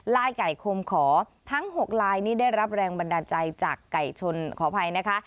ลายไก่คมขอทั้ง๖ลายนี้ได้รับแรงบันดาลใจจากไก่ชนขออภัยนะคะ